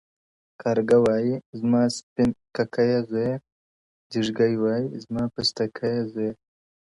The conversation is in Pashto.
o کارگه وايي، زما سپين ککيه زويه، جيږگى وايي زما پستکيه زويه.